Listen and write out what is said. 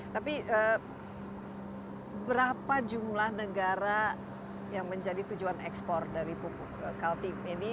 tapi berapa jumlah negara yang menjadi tujuan ekspor dari pupuk kaltim ini